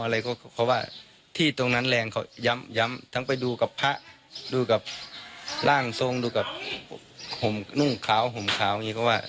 เพราะว่าที่ตรงนั้นแรงเขาย้ำทั้งไปดูกับพระดูกับร่างทรงดูกับหนุ่มขาวหนุ่มขาว